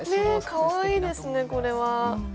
ねえかわいいですねこれは。